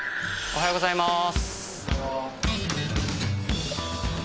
おはようございます。